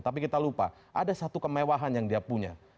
tapi kita lupa ada satu kemewahan yang dia punya